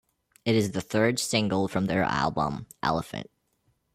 It is the third single from their album "Elephant".